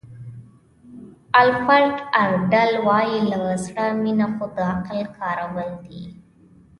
الفرډ اډلر وایي له زړه مینه خو د عقل کارول دي.